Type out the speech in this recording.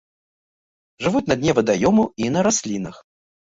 Жывуць на дне вадаёмаў і на раслінах.